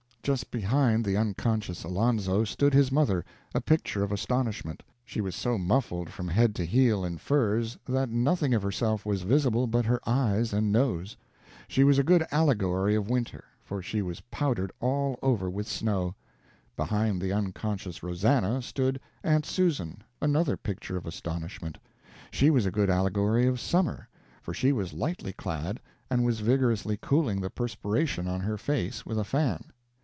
Just behind the unconscious Alonzo stood his mother, a picture of astonishment. She was so muffled from head to heel in furs that nothing of herself was visible but her eyes and nose. She was a good allegory of winter, for she was powdered all over with snow. Behind the unconscious Rosannah stood "Aunt Susan," another picture of astonishment. She was a good allegory of summer, for she was lightly clad, and was vigorously cooling the perspiration on her face with a fan.